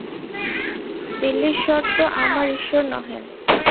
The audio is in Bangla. দিল্লীশ্বর তো আমার ঈশ্বর নহেন।